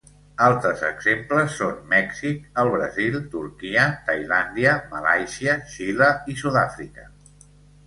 Altres exemples són Mèxic, el Brasil, Turquia, Tailàndia, Malàisia, Xile i Sud-àfrica.